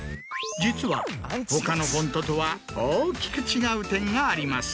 実は他のフォントとは大きく違う点があります。